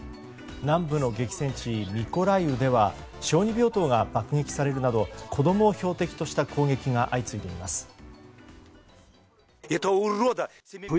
南部の激戦地ミコライウでは小児病棟が爆撃されるなど子供を標的とした攻撃が相次いでいます。